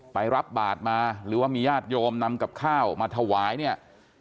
รับบาทมาหรือว่ามีญาติโยมนำกับข้าวมาถวายเนี่ย